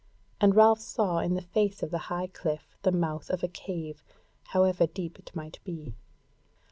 And Ralph saw in the face of the high cliff the mouth of a cave, however deep it might be.